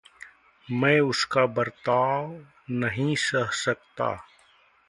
मैं उसका बर्ताव नहीं सह सकता।